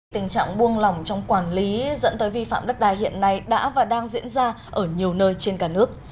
tình trạng buông lỏng trong quản lý dẫn tới vi phạm đất đai hiện nay đã và đang diễn ra ở nhiều nơi trên cả nước